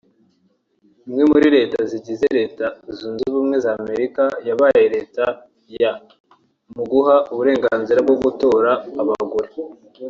imwe muri leta zigize Leta Zunze Ubumwe za Amerika yabaye leta ya mu guha uburenganzira bwo gutora abagore